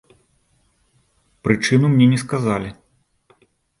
Прычыну мне не сказалі.